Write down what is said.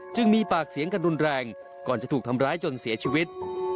จึงมีปากเสียงกันรุนแรงก่อนจะถูกทำร้ายจนเสียชีวิต